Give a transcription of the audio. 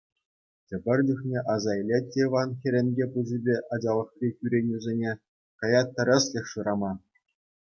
Тепӗр чухне аса илет те Иван хӗрӗнкӗ пуҫӗпе ачалӑхри кӳренӳсене, каять тӗрӗслӗх шырама.